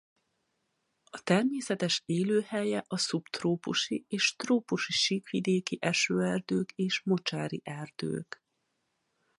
A természetes élőhelye a szubtrópusi és trópusi síkvidéki esőerdők és mocsári erdők.